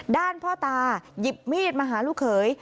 ด้านพ่อตาหยิบมีดมาหาลูกเขย